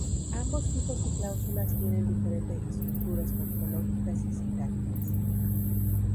Ambos tipos de cláusulas tienen diferentes estructuras morfológicas y sintácticas.